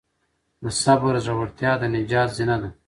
د صبر زړورتیا د نجات زینه ده.